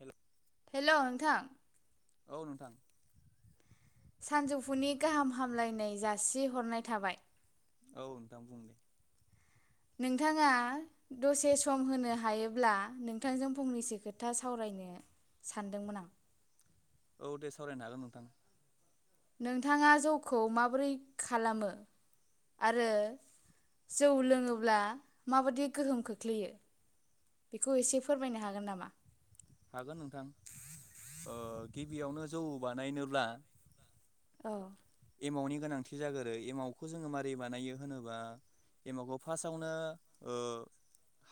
ओ ला हेल' नोंथां औ नोंथां। सानजौफुनि गाहाम हामलायनाय जासिहरनाय थाबाय। औ नोंथां बुं दे? नोंथाङा दसे सम होनो हायोब्ला नोंथांजों फंनैसो खोथा सावरायनो सानदोंमोन आं। औ दे सावरायनो हागोन नोंथां। नोंथाङा जौखौ माबोरै खालामो? आरो जौ लोङोब्ला माबादि गोहोम खोख्लैयो बेखौ एसे फोरमायनो हागोन नामा? हागोन नोंथां ओ गिबियावनो जौ बानायनोब्ला औ एमावनि गोनांथि जागोरो। एमावखौ जोङो माबारै बानायो होनोबा, एमावखौ फासावनो ओ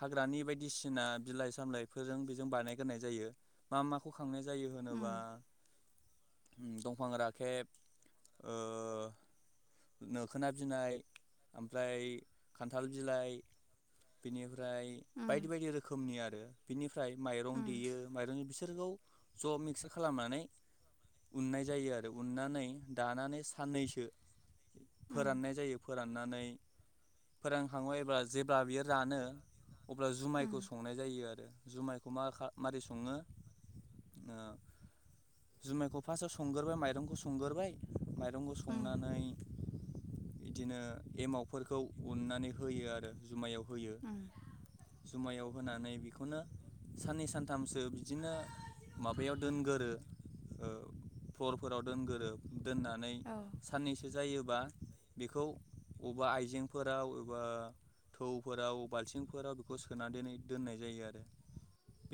हाग्रानि बायदिसिना बिलाइ सामलायफोरजों बेजों बानायग्रोननाय जायो। मा माखौ खांनाय जायो होनोबा उम दंफां राखेब ओ नोखोना बिनाय ओमफ्राय खान्थाल बिलाइ बिनि फ्राय बायदि उम बायदि रोखोमनि आर ओ बिनिफ फ्राय माइरं उम देयो माइरंनि बिस सोरखौ ज' मिक्सार खालामनानै उननाय जायो आरो उननानै दानानै साननैसो उम फोराननाय जायो। फोराननानै फोरानखाङो अयबा जेब्ला बियो रानो अब्ला जुमायखौ उम संनाय जायो आरो। जुमायखौ मा खा मारै सङो? ओ जुमायखौ फासाव संगोरबाय माइरंखौ संगोरबाय माइरंखौ उम संनानै बिदिनो एमावफोरखौ उननानै होयो आरो जुमायाव। होयो। उम जुमायाव होनानै बेखौनो साननै सानथामसो बिदिनो माबायाव दोनगोरो ओ फरफोराव दोनगोरो। दोननानै औ साननैसो जायो। बा बेखौ बबेबा आइजेंफोराव एबा थौफोराव बाल्थिंफोराव बेखौ सोनानै दोन दोननाय जायो आरो।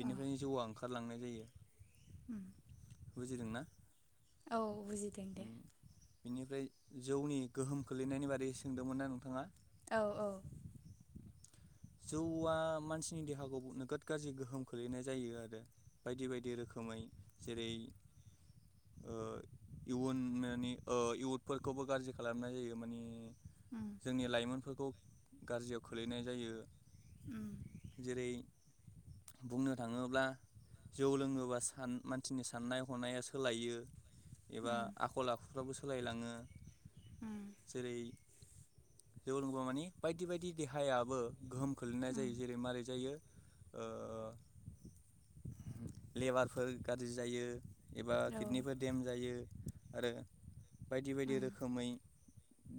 औ जौआ ओंखा खार लांनाय जायो। लांदां। बुजिदोंना? औ बुजिदों दे। बिनिफ्राय जौनि गोहोम खोलैनायनि बारै सोंदोंमोन ना नोंथाङा? औ औ। जौआ मानसिनि देहाखौ नोगोद गाज्रि गोहोम खोलैनाय जायो आरो बायदि बायदि रोखोमै जेरै ओ इयुननि इयुदफोरखौबो गाज्रि खालामनाय जायो माने उम जोंनि लाइमोन। फोरखौ गाज्रियाव खोलैनाय जायो। [unintelligible] जेरै बुंनो थाङोब्ला जौ लोङोबा सान मानसिनि साननाय हनाया सोलायो। एबा उम आखल-आख फुराबो सोलायलाङो। उम जेरै जौ लोंबा माने बायदि बायदि देहायाबो गोहोम खोलैनाय उम जायो जेरै मारै जायो ओ लेबारफोर गाज्रि जायो। एबा औ किडनिफोर देम जायो। आरो बायदि बायदि उम रोखोमै।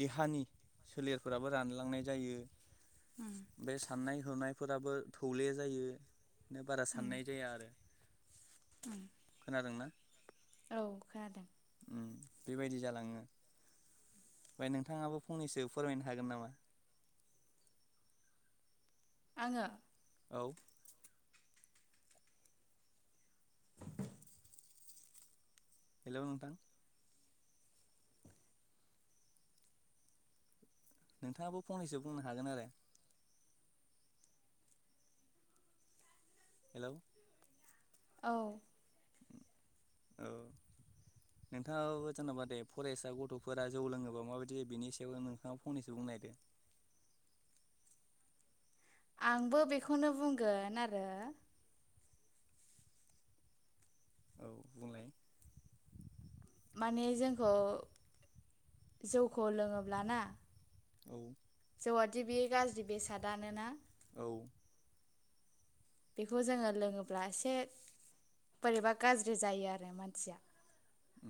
देहानि। सोलेरफोराबो रानलांनाय जायो। उम बे साननाय होनायफोराबो थौले जायो। नो बारा साननाय जाया आरो [unintelligible] खोनादों ना? औ खोनादों। बेबायदि जालाङो। ओमफ्राय नोंथाङाबो फंनैसो फोरमायनो हागोन नामा? आङो। औ हेलौ नोंथां नोंथाङाबो फंनैसो बुंनो हागोन आरो हेलौ औ औ नोंथाङाबो जेनेबा दे फरायसा गथ'फोरा जौ लोङोबा माबायदि जायो बेनि सायाव नोंथाङा फंनैसो बुंनायदो आंबो बेखौनो बुंगोन आरो औ बुंलाय माने जोंखौ जौखौ लोङोब्लाना औ औवाादि बे गाज्रि बेसादानोना औ बेखौ जोङो लोङोब्ला एसे बोरैबा गाज्रि जायो आरो मानसिया उ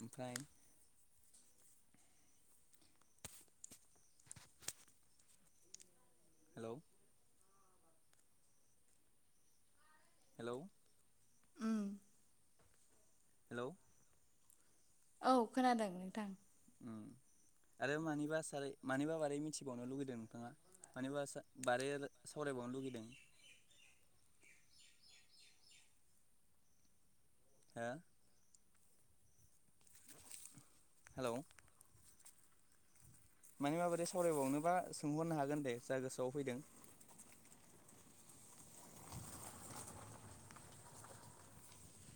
ओमफ्राय हेलौ हेलौ उम हेलौ औ खोनादों नोंथां आरो मानिबा सारै मानिबा बारै मिथिबावनो लुगैदों नोंथाङा मानिबा सा बारै सावरायबावनो लुगैदों। हो हेलौ माने माबोरै सावरायबावनोबा सोंहरनो हागोन दे जा गोसोआव फैदों।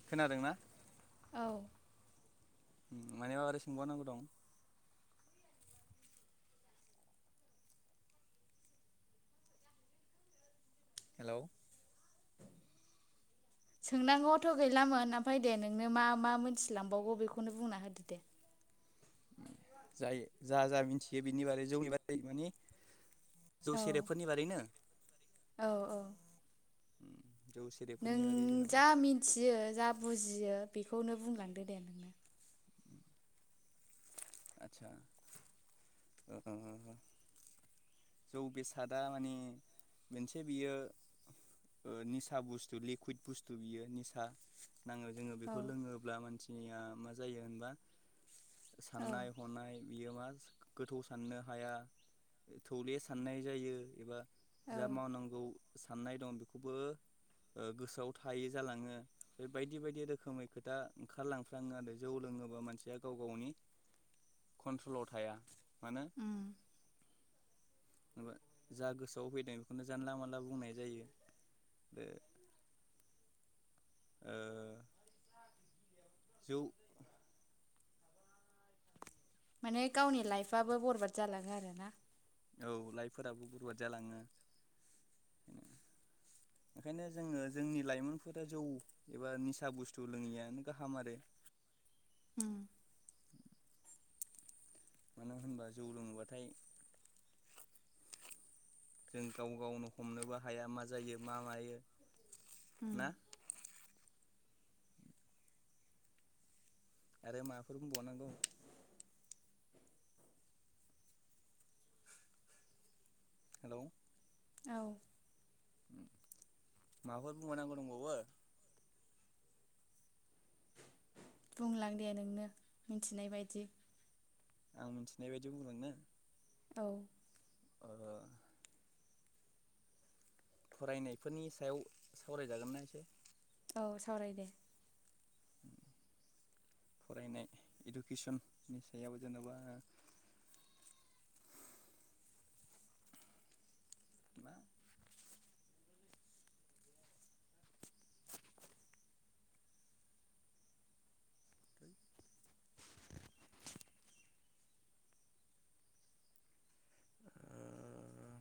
खोनादोंना औ मानोबा मारै सोंबावनांगौ दं हेल' सोंनांगौआथ' गैलामोन ओमफाय दे नोंनो मा मा मोनथिलांबावगौ बेखौनो बुंना होदो दे जाय जा जा मिथियो बेनि बारै [inaudible] जौ औ सेरेबफोरनि बारैनो औ औ [unintelligible] सेरेबफोरनि नों बारै जेनेबा जा मिथियो जा बुजियो बेखौनो बुंलांदो दे नोंनो आदसा जौ बेसादा माने मोनसे बियो ओ निसा बुस्थु लिकुइद बुस्थु बियो निसा नाङो जोङो औ बेखौ लोङोब्ला मानसि निया मा जायो होनबा औ साननाय हनाय बियो मा गोथौ साननो हाया थौले साननाय जायो एबा जा औ मावनांगौ साननाय दं बेखौबो ओ गोसोआव थायै जालाङो बे बायदि बायदि रोखोमै खोथा ओंखारलांफ्लाङो आरो जौ लोङोबा मानसिया गाव गावनि कन्ट्रलाव थाया। मानोे उम। जा गोसोआव फैदों बेखौनो जानला मानला बुंनाय जायो ओ ओ जौ माने गावनि लाइफआबो बरबाद जालाङो आरोना औ लाइफोराबो बरबाद जालाङो ओंखायनो जोङो जोंनि लाइमोनफोरा जौ एबा निसा बुस्थु लोङैयानो गाहाम आरो उम मानो होनबा जौ लोङोबाथाय जों गाव गावनो हमनोबो हाया मा जायो मा मायो उम। ना आरो माबाफोर बुंबावनांगौ हेल' औ माबाफोर बुंबावनांगो दंबावयो बुंलां दे नोंनो मिथिनाय बायदि आं मिथिनाय बायदि बुंगोननो औ ओ फरायनायफोरनि सायाव सावरायजागोनना एसे औ सावराय दे फरायनाय इडुकेसननि सायाव जेन'बा मा [inaudible] ओ